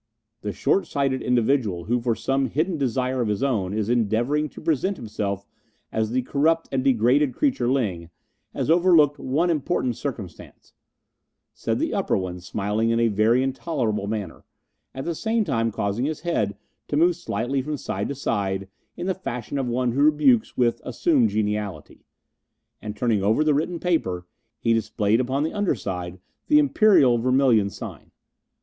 "The short sighted individual who for some hidden desire of his own is endeavouring to present himself as the corrupt and degraded creature Ling, has overlooked one important circumstance," said the upper one, smiling in a very intolerable manner, at the same time causing his head to move slightly from side to side in the fashion of one who rebukes with assumed geniality; and, turning over the written paper, he displayed upon the under side the Imperial vermilion Sign.